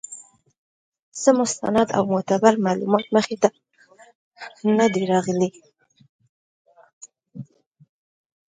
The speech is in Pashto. څۀ مستند او معتبر معلومات مخې ته نۀ دي راغلي